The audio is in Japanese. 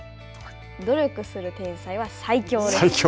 努力する天才は最強です。